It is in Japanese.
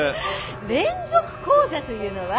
連続講座というのは？